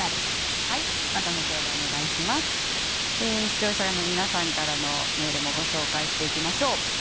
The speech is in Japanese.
視聴者の皆さんからのメールもご紹介します。